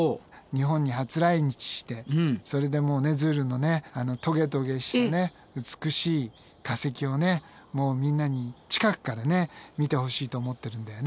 日本に初来日してそれでもうねズールのねトゲトゲした美しい化石をもうみんなに近くから見てほしいと思ってるんだよね。